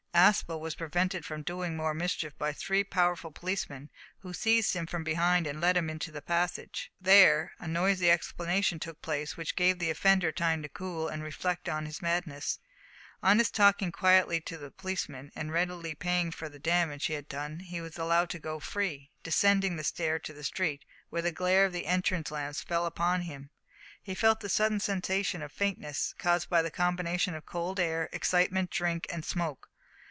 Aspel was prevented from doing more mischief by three powerful policemen, who seized him from behind and led him into the passage. There a noisy explanation took place, which gave the offender time to cool and reflect on his madness. On his talking quietly to the policemen, and readily paying for the damage he had done, he was allowed to go free. Descending the stair to the street, where the glare of the entrance lamps fell full upon him, he felt a sudden sensation of faintness, caused by the combination of cold air, excitement, drink, and smoke.